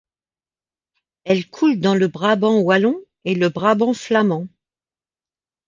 Elle coule dans le Brabant wallon et le Brabant flamand.